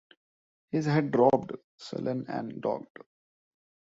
His head dropped, sullen and dogged.